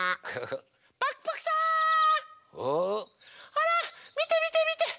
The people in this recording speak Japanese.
ほらみてみてみて。